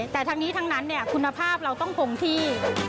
แต่ทั้งนี้ทั้งนั้นคุณภาพเราต้องคงที่